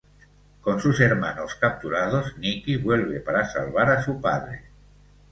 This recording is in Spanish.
Con sus hermanos capturados, Nicky vuelve para salvar a su padre.